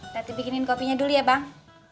nanti bikinin kopinya dulu ya bang